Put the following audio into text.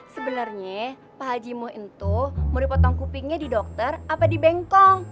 sebenarnya pak haji muhyiddin tuh mau dipotong kupingnya di dokter apa di bengkong